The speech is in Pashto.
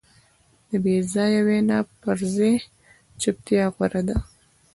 د بېځایه وینا پر ځای چوپتیا غوره ده.